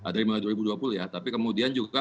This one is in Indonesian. dari mulai dua ribu dua puluh ya tapi kemudian juga